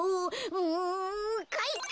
うんかいか！